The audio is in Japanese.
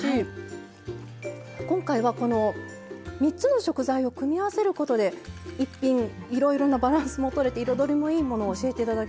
今回はこの３つの食材を組み合わせることで１品いろいろなバランスもとれて彩りもいいものを教えて頂きました。